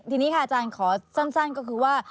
ทีนี้ค่ะอาจารย์ขอสั้นก็คือว่า